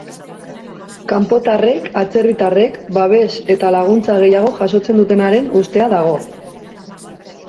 Kanpotarrek, atzerritarrek, babes eta laguntza gehiago jasotzen dutenaren ustea dago.